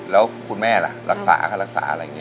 แล้วคุณแม่ล่ะรักษาค่ารักษาอะไรอย่างนี้